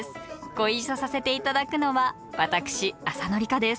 ご一緒させて頂くのは私浅野里香です。